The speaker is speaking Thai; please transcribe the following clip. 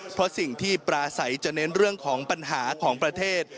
เพราะสิ่งที่ปราศัยจะเน้นเรื่องของปัญหาของประเทศ